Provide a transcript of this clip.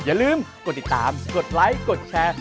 อย่าลืมกดติดตามกดไลค์กดแชร์